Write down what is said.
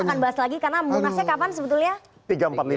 kita akan bahas lagi karena munasnya kapan sebetulnya